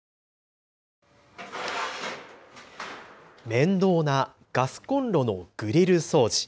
面倒なガスコンロのグリル掃除。